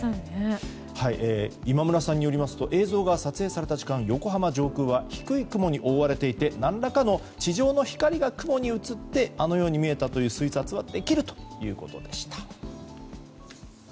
今村さんによりますと映像が撮影された時間横浜上空は低い雲に覆われていて何らかの地上の光が雲に映って、あのように見えた推察はできるということでした。